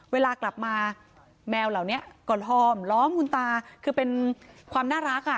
เวลากลับมาแมวเหล่านี้ก็หลอมล้อมคุณตาคือเป็นความน่ารักอ่ะ